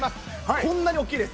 こんなに大きいです。